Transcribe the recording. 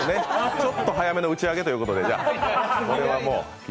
ちょっと早めの打ち上げということで。